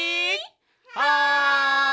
はい！